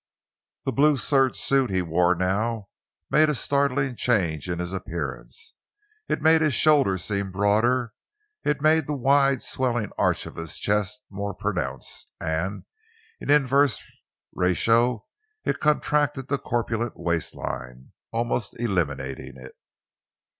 The blue serge suit he wore now made a startling change in his appearance. It made his shoulders seem broader; it made the wide, swelling arch of his chest more pronounced, and in inverse ratio it contracted the corpulent waist line—almost eliminating it.